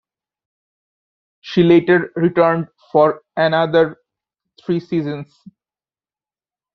She later returned for another three seasons.